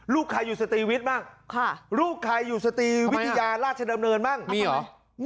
ลูกใครอยู่สตรีวิทย์บ้างลูกใครอยู่สตรีวิทยาราชดำเนินบ้างมีเหรอ